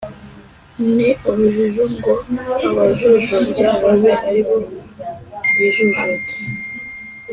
ni urujijo ngo abajujubya babe ari bo bijujuta